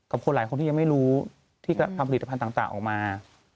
คนหลายคนที่ยังไม่รู้ที่ทำผลิตภัณฑ์ต่างออกมา